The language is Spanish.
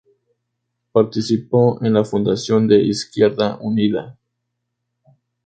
Participó en la fundación de Izquierda Unida.